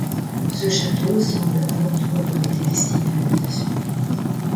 Ce château semble avant tout avoir été destiné à l'habitation.